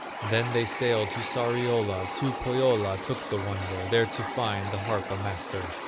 Then they sailed to Sariola, To Pohyola took the wonder, There to find the harp a master.